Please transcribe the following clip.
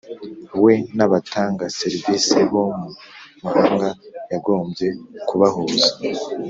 We n’abatanga serivisi bo mu mahanga yagombye kubahuza